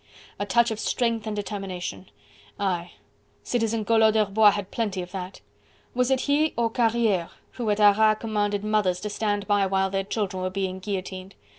A touch of strength and determination! Aye! Citizen Collot d'Herbois had plenty of that. Was it he, or Carriere who at Arras commanded mothers to stand by while their children were being guillotined?